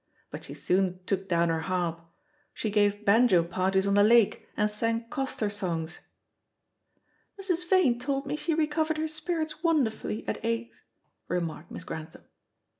But she soon took down her harp. She gave banjo parties on the lake, and sang coster songs." "Mrs. Vane told me she recovered her spirits wonderfully at Aix," remarked Miss Grantham.